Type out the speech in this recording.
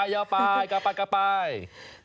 ยาวปายกาปาย